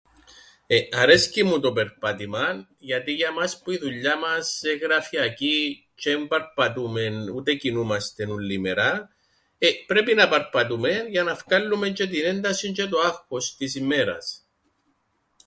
Ε, αρέσκει μου το περπάτημαν, γιατί για μας που η δουλειά μας εν' γραφειακή, τζ̆αι εν παρπατούμεν, ούτε κινούμαστεν ούλλη μέρα, ε, πρέπει να παρπατούμεν, για να φκάλλουμεν τζ̆αι την έντασην τζ̆αι το άγχος της ημέρας.